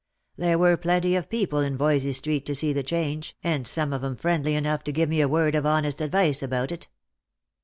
There were plenty of people in Yoysey street to see the change, and some of 'em friendly enough to give me a word of honest advice about it.